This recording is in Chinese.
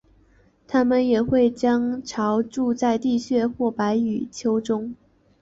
它们也会将巢筑在地穴或白蚁丘中。